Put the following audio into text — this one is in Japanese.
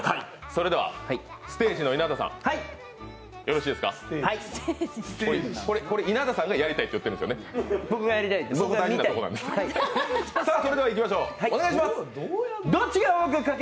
それでは、ステージの稲田さんよろしいでしょうか。